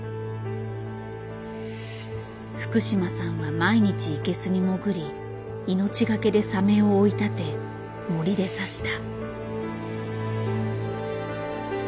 福島さんは毎日イケスに潜り命懸けでサメを追い立て銛で刺した。